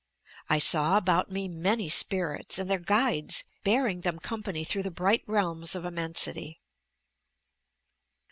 I saw about me many spirits and their guides bearing them company through the bright realms of immensity."